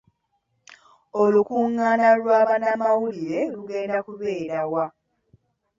Olukungaana lwa bannamawulire lugenda kubeera wa?